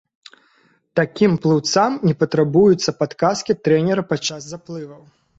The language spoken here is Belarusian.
Такім плыўцам не патрабуюцца падказкі трэнера падчас заплываў.